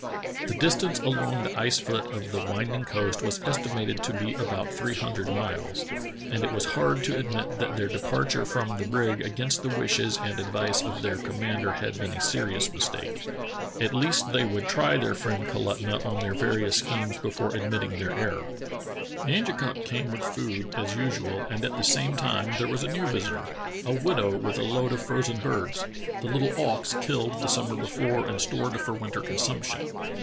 The distance along the ice foot of the winding coast was estimated to be about three hundred miles, and it was hard to admit that their departure from the brig against the wishes and advice of their commander had been a serious mistake. At least they would try their friend Kalutunah on their various schemes before admitting their error. The Angekok came with food, as usual, and at the same time there was a new visitor, a widow with a load of frozen birds — the little auks killed the summer be fore and stored for winter consumption.